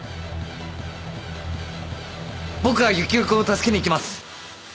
僕がユキオ君を助けに行きます。